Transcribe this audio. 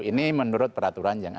ini menurut peraturan yang ada